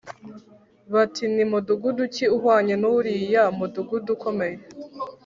bati “Ni mudugudu ki uhwanye n’uriya mudugudu ukomeye?”